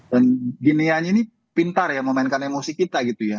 dan gini ya ini pintar ya memainkan emosi kita gitu ya